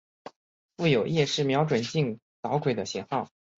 附有夜视瞄准镜导轨的型号。